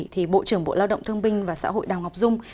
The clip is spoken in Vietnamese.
thì bộ trưởng bộ lao động thương binh và xã hội đào ngọc dung